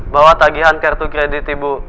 bahwa tagihan kartu kredit ibu